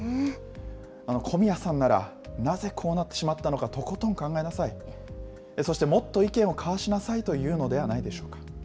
小宮さんなら、なぜこうなってしまったのか、とことん考えなさい、そしてもっと意見を交わしなさいと言うのではないでしょうか。